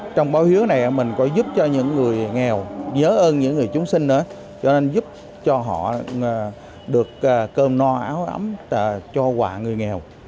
trong báo hiếu này mình có giúp cho những người nghèo nhớ ơn những người chúng sinh nữa cho nên giúp cho họ được cơm no áo ấm cho quà người nghèo